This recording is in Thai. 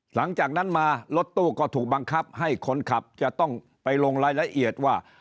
หลังจากนั้นมารถตู้ก็ถูกบังคับให้คนขับจะต้องไปลงรายละเอียดว่า